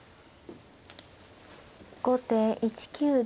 後手１九竜。